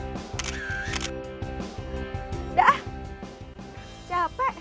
udah ah capek